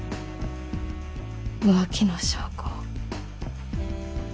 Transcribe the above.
浮気の証拠。